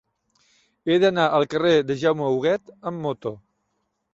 He d'anar al carrer de Jaume Huguet amb moto.